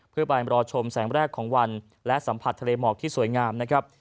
เพื่อไปรอชมแสงแรกของวันและสัมผัสทะเลหมอกที่สวยงามนะครับ